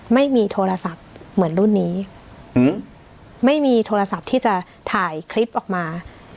ไม่มีโทรศัพท์เหมือนรุ่นนี้ไม่มีโทรศัพท์ที่จะถ่ายคลิปออกมา